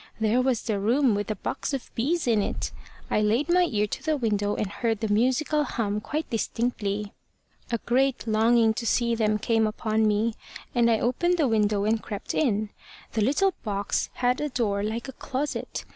There was the room with the box of bees in it! I laid my ear to the window, and heard the musical hum quite distinctly. A great longing to see them came upon me, and I opened the window and crept in. The little box had a door like a closet.